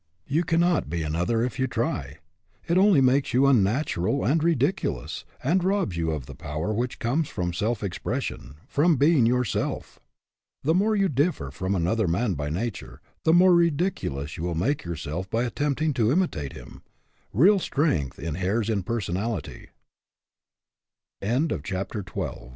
You cannot be another if you try. It only makes you unnatural and ridiculous, and robs you of the power which comes from self expression, from being yourself. The more you differ from another man by nature, the more ridiculous you will make yourself by attempting to imitat